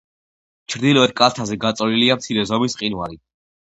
ჩრდილოეთ კალთაზე გაწოლილია მცირე ზომის მყინვარი.